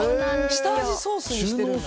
下味、ソースにしてるんだ。